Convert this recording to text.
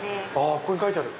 ここに書いてある！